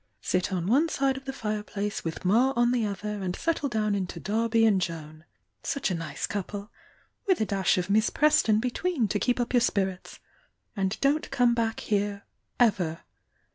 — sit on one side of the fireplace with Ma on the other, and settle down m to Darby and Joan! such a nice couple!— with a dash of Miss Preston between to keep up your spirits! And don't come back here ewr.'